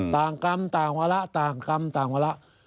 ต่างกรรมต่างเวลาต่างกรรมต่างเวลา